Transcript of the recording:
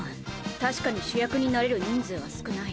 確かに主役になれる人数は少ない。